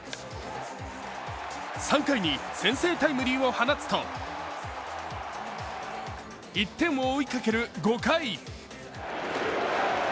３回に先制タイムリーを放つと、１点を追いかける５回。